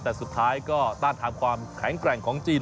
แต่สุดท้ายก็ต้านทานความแข็งแกร่งของจีน